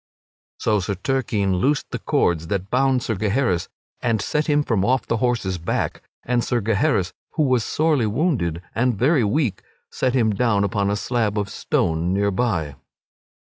So Sir Turquine loosed the cords that bound Sir Gaheris and set him from off the horse's back, and Sir Gaheris, who was sorely wounded and very weak, sat him down upon a slab of stone near by.